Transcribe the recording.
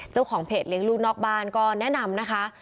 เจ้าของเพจเลี้ยงลูกนอกบ้านก็แนะนำนะคะ